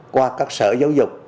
qua các sở giáo dục